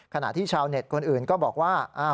ขณะที่ชาวเน็ตคนอื่นก็บอกว่า